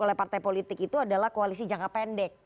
oleh partai politik itu adalah koalisi jangka pendek